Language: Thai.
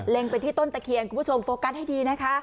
ไปที่ต้นตะเคียนคุณผู้ชมโฟกัสให้ดีนะคะ